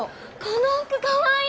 この服かわいい！